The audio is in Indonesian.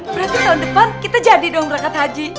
berarti tahun depan kita jadi dong berangkat haji